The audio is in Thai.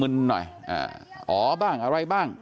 เดี๋ยวให้กลางกินขนม